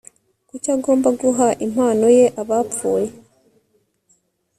kuki agomba guha impano ye abapfuye